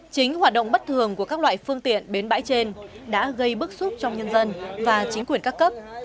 chính hoạt động bất thường của các loại phương tiện bến bãi trên đã gây bức xúc trong nhân dân và chính quyền các cấp